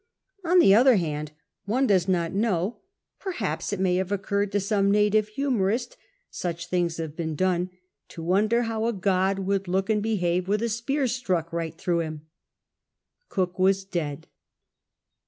On the other hand — one docs not know — perhaps it may have occurred to some native humorist — such things have been done to wonder how a god would look and behave with a s|iear stuck right through him. Cook was dead.